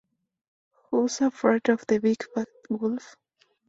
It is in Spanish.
Who's Afraid of the Big Bad Wolf?